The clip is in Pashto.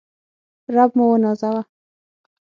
رب موونازوه